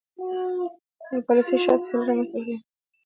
د devaluation پالیسي شاید سیالي رامنځته کړي.